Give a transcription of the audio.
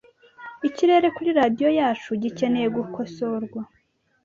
Ikirere kuri radio yacu gikeneye gukosorwa .